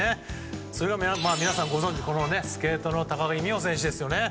それは皆さんご存じスケートの高木美帆選手です。